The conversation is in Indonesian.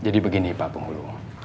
jadi begini pak penghulu